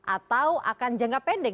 atau akan jangka pendek